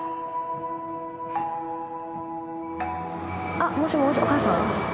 あっもしもしお母さん？